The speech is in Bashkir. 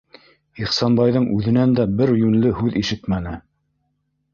Ихсанбайҙың үҙенән дә бер йүнле һүҙ ишетмәне.